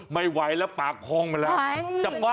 ไม่ไหวแล้วปากพองมาแล้ว